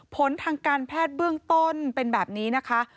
ผลทางการแพทย์เบื้องต้นเป็นแบบนี้นะคะ